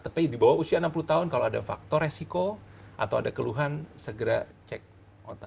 tapi di bawah usia enam puluh tahun kalau ada faktor resiko atau ada keluhan segera cek otak